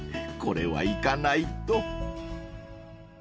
［これは行かないと］